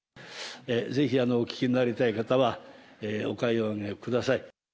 ぜひお聴きになりたい方は、お買い上げください。